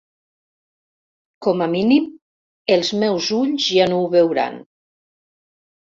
Com a mínim, els meus ulls ja no ho veuran.